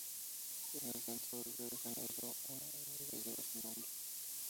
En el centro de Río de Janeiro una avenida lleva su nombre.